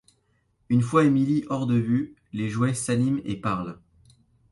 Une fois Emily hors de vue, les jouets s'animent et parlent.